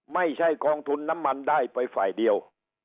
ไม่ใช่กองทุนน้ำมันได้ไปฝ่ายเดียว